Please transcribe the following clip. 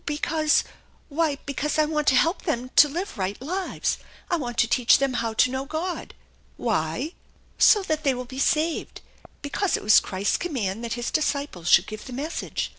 " Because why, because I want to help them to live right lives ; I want to teach them how to know God." "Why?" "So that they will be saved. Because it was Christ's command that His disciples should give the message.